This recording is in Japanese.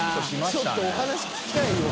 ちょっとお話聞きたいよ。